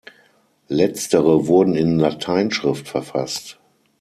Letztere wurden in Lateinschrift verfasst.